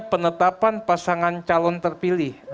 penetapan pasangan calon terpilih